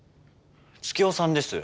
月代さんです！